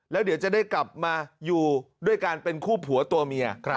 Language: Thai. แล้วเดี๋ยวจะได้กลับมาอยู่ด้วยกันเป็นคู่ผัวตัวเมีย